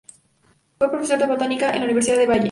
Fue profesor de Botánica en la Universidad de Halle.